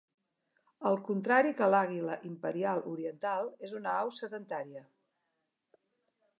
Al contrari que l'àguila imperial oriental és una au sedentària.